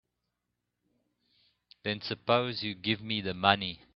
Then suppose you give me the money.